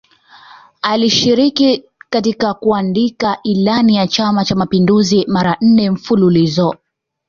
Alishiriki katika kuandika Ilani ya Chama cha Mapinduzi mara nne mfululizo